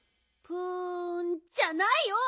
プンじゃないよ！